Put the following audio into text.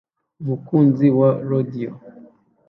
Umukunzi wa rodeo